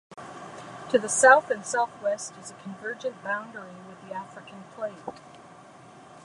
To the south and southwest is a convergent boundary with the African Plate.